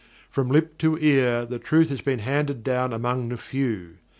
From lip to ear the truth has been handed down among the few.